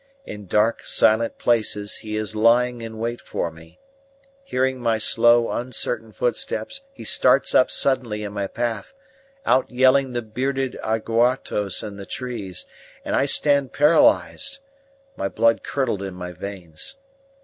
In dark, silent places he is lying in wait for me: hearing my slow, uncertain footsteps he starts up suddenly in my path, outyelling the bearded aguaratos in the trees; and I stand paralysed, my blood curdled in my veins.